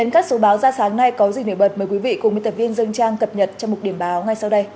hôm nay có gì nổi bật mời quý vị cùng với tập viên dương trang cập nhật trong một điểm báo ngay sau đây